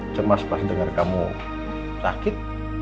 cuma sepas dengar kamu sakit